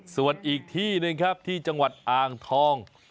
ส่วนอีกที่หนึ่งครับที่จังหวัดอ่างทอง